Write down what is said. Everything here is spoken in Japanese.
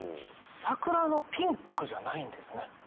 「桜のピンク」じゃないんですね。